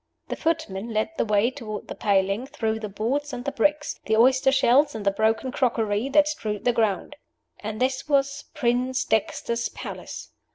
The footman led the way toward the paling through the boards and the bricks, the oyster shells and the broken crockery, that strewed the ground. And this was "Prince Dexter's Palace!"